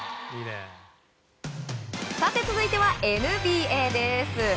続いてはＮＢＡです。